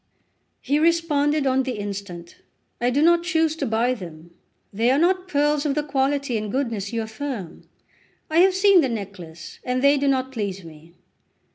He responded on the instant: "I do not choose to buy them; they are not pearls of the quality and goodness you affirm; I have seen the necklace, and they do not please me."